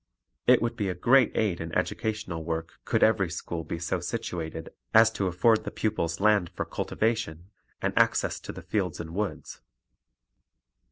It would be a great aid in educational work could every school be so situated as to afford the pupils land for cultivation, and access to the fields and woods.